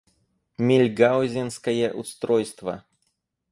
Мильгаузенское устройство.